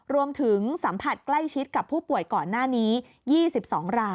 รวมถึงสัมผัสใกล้ชิดกับผู้ป่วยก่อนหน้านี้๒๒ราย